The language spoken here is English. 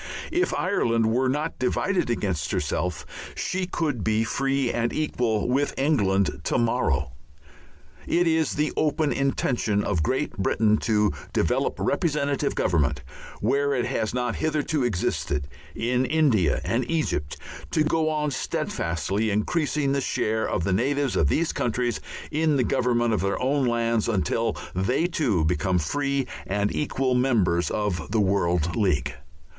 If Ireland were not divided against herself she could be free and equal with England to morrow. It is the open intention of Great Britain to develop representative government, where it has not hitherto existed, in India and Egypt, to go on steadfastly increasing the share of the natives of these countries in the government of their own lands, until they too become free and equal members of the world league.